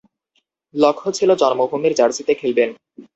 লক্ষ্য ছিল জন্মভূমির জার্সিতে খেলবেন।